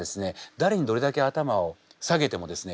だれにどれだけ頭を下げてもですね